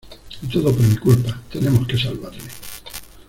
Y todo por mi culpa. Tenemos que salvarle .